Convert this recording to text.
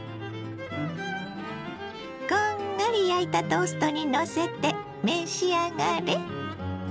こんがり焼いたトーストにのせて召し上がれ。